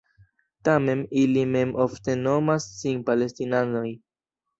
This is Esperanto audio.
Tamen, ili mem ofte nomas sin Palestinanoj.